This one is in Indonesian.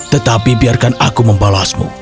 tetapi biarkan aku membalasmu